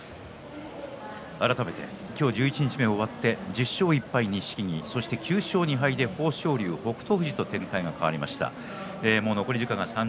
改めて今日十一日目終わって１０勝１敗、錦木９勝２敗で豊昇龍、北勝富士と展開が変わりました。